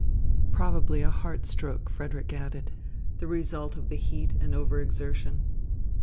"Probably a heart stroke," Frederick added, "the result of the heat and over exertion."